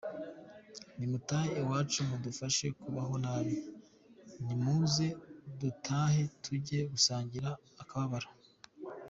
Nimutahe iwacu mudufashe kubaho nabi, nimuze dutahe tujye gusangira akababaro.